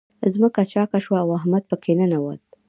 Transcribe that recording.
ځمکه چاک شوه، او احمد په کې ننوت.